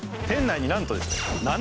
店内になんとですね